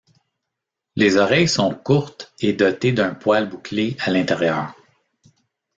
Les oreilles sont courtes et dotées d'un poil bouclé à l'intérieur.